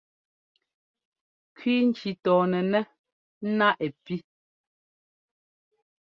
Kʉi ŋki tɔnɛnɛ́ ná ɛ pí.